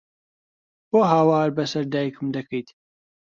بۆ هاوار بەسەر دایکم دەکەیت؟!